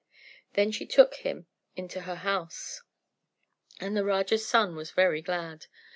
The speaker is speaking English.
Then she took him into her house, and the Raja's son was very glad.